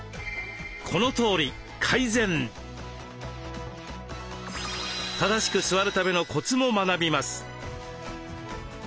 このとおり改善。正しく座るためのコツも学びます。